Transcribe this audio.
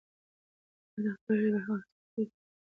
او د خپلې ژبې هغه اصلي توکي،